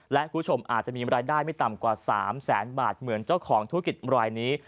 และคุณผู้ชมอาจจะมีรายได้ไม่ต่ำกว่า๓แสนบาทเหมือนเจ้าของธุรกิจรายนี้